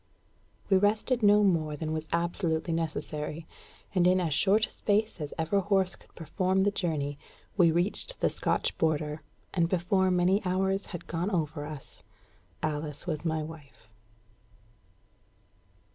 We rested no more than was absolutely necessary; and in as short a space as ever horse could perform the journey, we reached the Scotch border, and before many more hours had gone over us, Alice was my wife.